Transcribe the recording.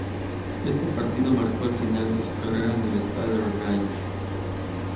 Este partido marcó el final de su carrera en el Stade Rennais.